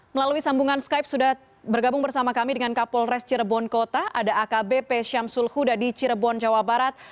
melalui sambungan skype sudah bergabung bersama kami dengan kapolres cirebon kota ada akbp syamsul huda di cirebon jawa barat